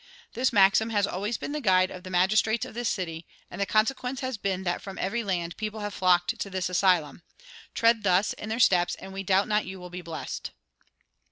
"This maxim has always been the guide of the magistrates of this city, and the consequence has been that from every land people have flocked to this asylum. Tread thus in their steps, and we doubt not you will be blessed."